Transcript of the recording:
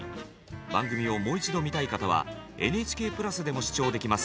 番組をもう一度見たい方はＮＨＫプラスでも視聴できます。